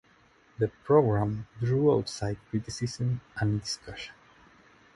The program drew outside criticism and discussion.